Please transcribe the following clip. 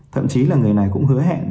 thậm chí là người này cũng hứa hẹn